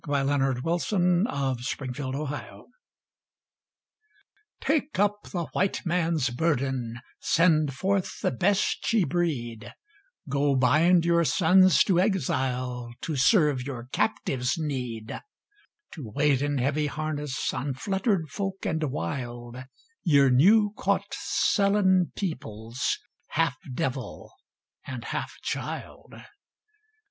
VII THE WHITE MAN'S BURDEN 1899 Take up the White Man's burden Send forth the best ye breed Go bind your sons to exile To serve your captives' need; To wait in heavy harness, On fluttered folk and wild Your new caught, sullen peoples, Half devil and half child.